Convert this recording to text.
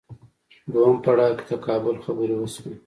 دویم پړاو کې تقابل خبرې وشوې